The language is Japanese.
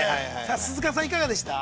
鈴鹿さん、いかがでしたか。